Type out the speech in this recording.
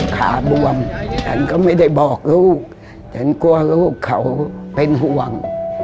ขาบวมฉันก็ไม่ได้บอกลูกฉันกลัวลูกเขาเป็นห่วง